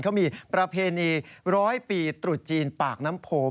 เขามีประเพณีร้อยปีตรุษจีนปากน้ำโพง